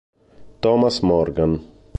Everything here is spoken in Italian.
Thomas Morgan